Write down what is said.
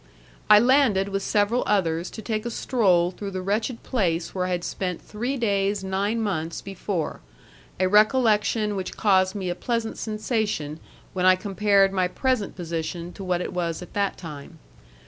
I landed with several others to take a stroll through the wretched place where I had spent three days nine months before, a recollection which caused me a pleasant sensation when I compared my present position to what it was at that time.